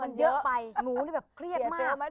มันเยอะไปหนูนี่แบบเครียดมาก